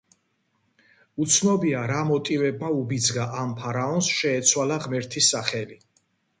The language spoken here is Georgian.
უცნობია რა მოტივებმა უბიძგა ამ ფარაონს შეეცვალა ღმერთის სახელი.